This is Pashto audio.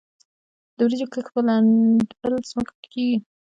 د وریجو کښت په لندبل ځمکو کې کیږي.